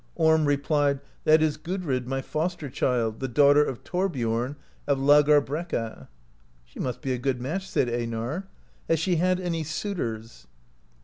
Orm replies : "That is Gudrid, my foster child, the daughter of Thorbiom of Laugarbrekka." "She must be a good match," said Einar; "has she had any suitors?"